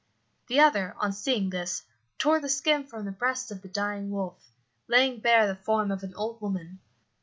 The other, on seeing this, tore the skin from the breast of the dying wolf, laying bare the form of an old woman.